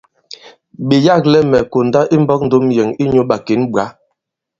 Ɓe yâklɛ mɛ̀ konda imbɔk ndom yɛ̀n inyū ɓàkěn ɓwǎ.